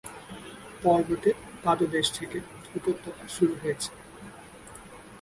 পর্বতের পাদদেশ থেকে উপত্যকা শুরু হয়েছে।